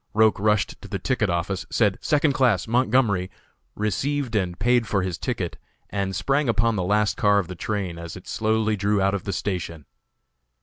Roch rushed to the ticket office, said "Second class, Montgomery," received and paid for his ticket, and sprang upon the last car of the train as it slowly drew out of the station.